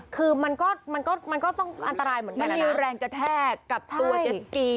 คือมันก็มันก็ต้องอันตรายเหมือนกันมันมีแรงกระแทกกับตัวเจสกี